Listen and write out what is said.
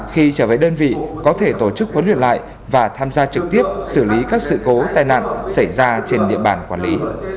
khi trở về đơn vị có thể tổ chức huấn luyện lại và tham gia trực tiếp xử lý các sự cố tai nạn xảy ra trên địa bàn quản lý